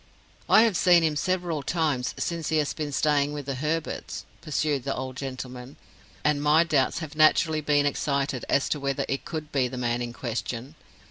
"I have seen him several times since he has been staying with the Herberts," pursued the old gentleman, "and my doubts have naturally been excited as to whether it could be the man in question.